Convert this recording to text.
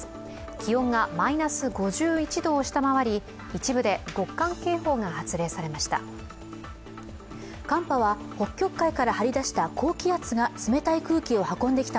気温がマイナス５１度を下回り一部で極寒警報が発令されました。